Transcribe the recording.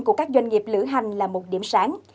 của các doanh nghiệp lữ hành là một điểm sáng